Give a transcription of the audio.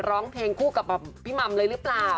ร้องเพลงคู่กับพี่หม่ำเลยหรือเปล่า